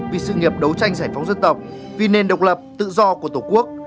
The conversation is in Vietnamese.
vì sự nghiệp đấu tranh giải phóng dân tộc vì nền độc lập tự do của tổ quốc